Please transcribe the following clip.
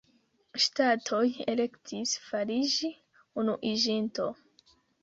Ŝtatoj elektis fariĝi unuiĝinto.